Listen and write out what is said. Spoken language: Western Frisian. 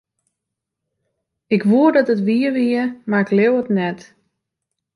Ik woe dat it wier wie, mar ik leau it net.